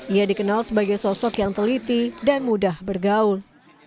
ia dikenal sebagai sosok yang teliti dan mudah bergaul